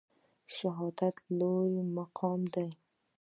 شهادت لوړ مقام دی